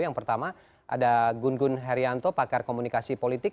yang pertama ada gun gun herianto pakar komunikasi politik